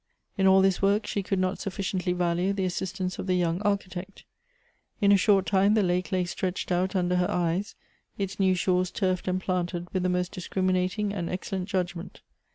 In all this work she could not sufficiently value the assistance of the young architect. In a short time the lake lay stretched out under her eyes, its new shores turfed and planted with the most discriminating and excellent judgment.